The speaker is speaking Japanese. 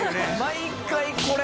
毎回これ？